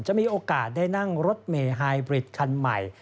มีโอกาสได้นั่งรถเมไฮบริดคันใหม่